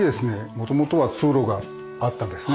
もともとは通路があったんですね。